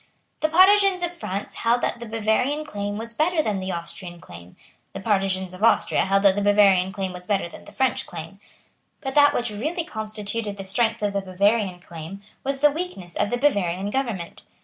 The partisans of France held that the Bavarian claim was better than the Austrian claim; the partisans of Austria held that the Bavarian claim was better than the French claim. But that which really constituted the strength of the Bavarian claim was the weakness of the Bavarian government.